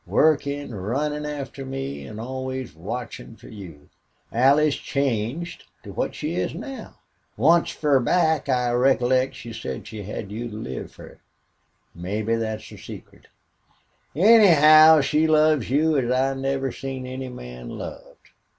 Workin', runnin' after me an' always watchin' fer you. Allie's changed to what she is now. Onct, fur back, I recollect she said she had you to live fer. Mebbe thet's the secret. Anyhow, she loves you as I never seen any man loved....